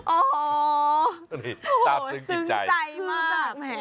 โอ้โหซึ้งใจมาก